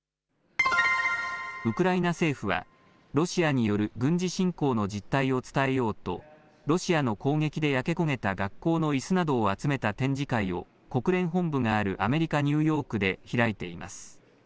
ウクライナ政府は、ロシアによる軍事侵攻の実態を伝えようとロシアの攻撃で焼け焦げた学校のいすなどを集めた展示会を、国連本部があるアメリカ、ニューヨークで開いています。